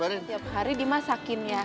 tiap hari dimasakin ya